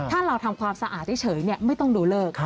ถ้าเราทำความสะอาดเฉยไม่ต้องดูเลิก